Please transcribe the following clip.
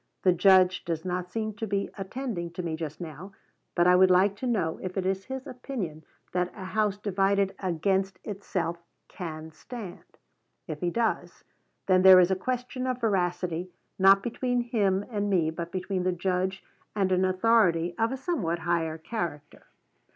The Judge does not seem to be attending to me just now, but I would like to know if it is his opinion that a house divided against itself can stand. If he does, then there is a question of veracity, not between him and me, but between the Judge and an authority of a somewhat higher character.